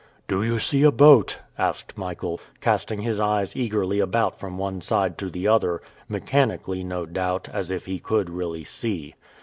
"Do you see a boat?" asked Michael, casting his eyes eagerly about from one side to the other, mechanically, no doubt, as if he could really see.